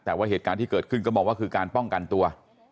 แต่ว่าเหตุการณ์ที่เกิดขึ้นก็มองว่าคือการป้องกันตัว